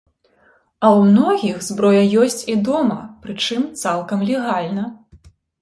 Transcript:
А ў многіх зброя ёсць і дома, прычым цалкам легальна.